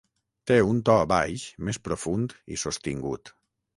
Té un to baix més profund i sostingut.